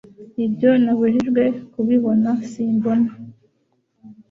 Ibyo nabujijwe kubibona Simbona